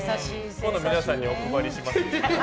今度皆さんにお配りします。